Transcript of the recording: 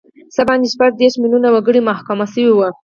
څه باندې شپږ دیرش میلیونه وګړي محکوم شوي وو.